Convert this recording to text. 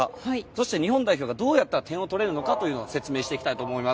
そして日本代表がどうやったら点を取れるか説明していきます。